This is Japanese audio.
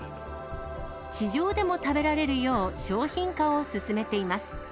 地上でも食べられるよう商品化を進めています。